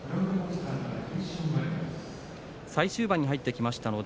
最終盤に入ってきました。